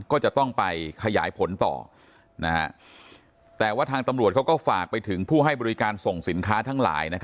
ก็จะต้องไปขยายผลต่อแต่ว่าทางตำรวจเขาก็ฝากไปถึงผู้ให้บริการส่งสินค้าทั้งหลาย